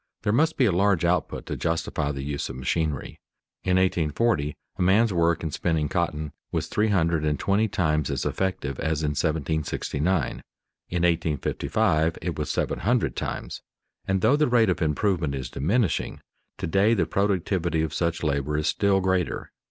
There must be a large output to justify the use of machinery. In 1840 a man's work in spinning cotton was three hundred and twenty times as effective as in 1769, in 1855 it was seven hundred times; and though the rate of improvement is diminishing, to day the productivity of such labor is still greater.